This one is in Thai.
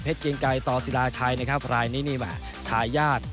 เพชรเกยงไกยต่อสิดาชัยนะครับลายนี้มาถาญาติ